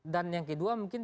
dan yang kedua mungkin